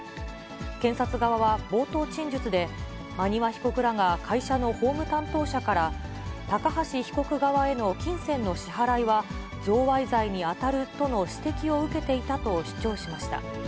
検察側は冒頭陳述で、馬庭被告らが会社の法務担当者から、高橋被告側への金銭の支払いは、贈賄罪に当たるとの指摘を受けていたと主張しました。